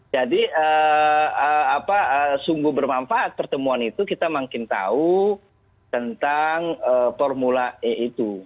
jadi sungguh bermanfaat pertemuan itu kita makin tahu tentang formula e itu